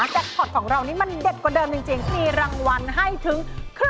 แต่พอร์ตของเรานี่มันเด็ดกว่าเดิมจริง